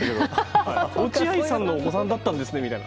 落合さんのお子さんだったんですねみたいな。